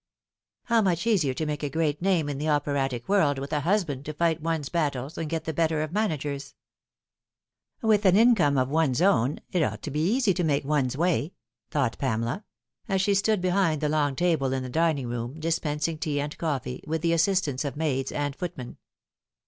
How much easier to make a great name in the operatic world with a husband to fight one's battles and get the better of managers !" With an income of one's own it ought to be easy to make one's way," thought Pamela, as she stood behind the long table in the dining room, dispensing tea and coffee, with the assist ance of maids and footmen.